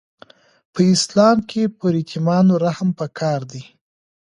په اسلام کي پر یتیمانو رحم پکار دی.